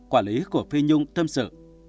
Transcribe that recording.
quản lý của phi nhung thâm sự